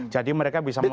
jadi mereka bisa memilih